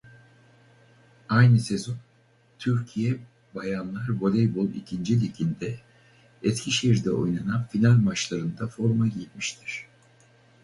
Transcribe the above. Aynı sezon Türkiye Bayanlar Voleybol ikinci Ligi'nde Eskişehir'de oynanan final maçlarında forma giymiştir.